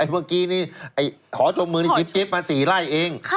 บอกกีกิเนี่ยขอจบมือจิปมาสี่ไร่เอง